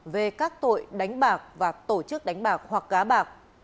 về các tội đánh bạc và tổ chức đánh bạc hoặc gá bạc